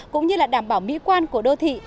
cũng như là đảm bảo mỹ quan của đô thị